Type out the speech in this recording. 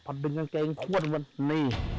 พอดึงกางเกงข้นกันนี่